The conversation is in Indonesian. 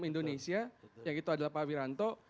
indonesia yang itu adalah pak wiranto